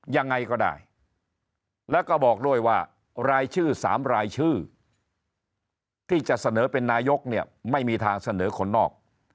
ยังไงก็ได้แล้วก็บอกด้วยว่ารายชื่อ๓รายชื่อที่จะเสนอเป็นนายกเนี่ยไม่มีทางเสนอคนนอก